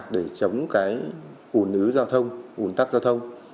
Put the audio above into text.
để chống ủn ứ giao thông ủn tắt giao thông